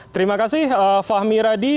terima kasih fahmi radi